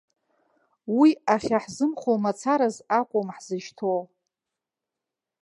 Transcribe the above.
Уи ахьаҳзымхо мацараз акәым ҳзышьҭоу.